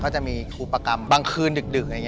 ก็จะมีอุปกรรมบางคืนดึก